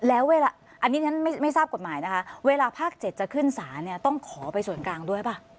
แล้วเวลาอันนี้ฉันไม่ทราบกฎหมายนะคะเวลาภาค๗จะขึ้นศาลเนี่ยต้องขอไปส่วนกลางด้วยป่ะ